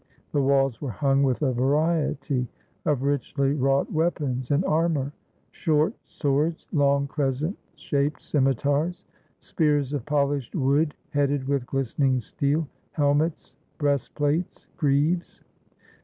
The walls were hung with a variety of richly wrought weapons and armor: — short swords, long crescent shaped scimitars, spears of polished wood headed with glistening steel, helmets, breastplates, greaves.